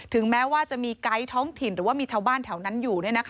แม้ว่าจะมีไกด์ท้องถิ่นหรือว่ามีชาวบ้านแถวนั้นอยู่